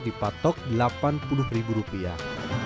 dipatok delapan puluh ribu rupiah